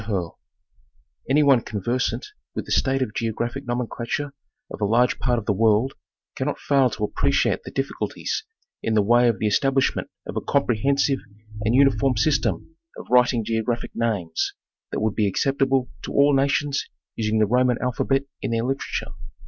Herrte: Any one conversant with the state of geo graphic nomenclature of a large part of the world cannot fail to appreciate the difficulties in the way of the establishment of a comprehensive and uniform system of writing geographic names, that would be acceptable to all nations using the Roman alphabet in their literature.